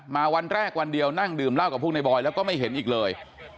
วันแรกวันเดียวนั่งดื่มเหล้ากับพวกในบอยแล้วก็ไม่เห็นอีกเลย